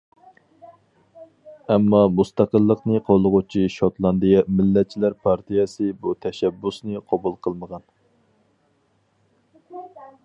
ئەمما مۇستەقىللىقنى قوللىغۇچى شوتلاندىيە مىللەتچىلەر پارتىيەسى بۇ تەشەببۇسنى قوبۇل قىلمىغان.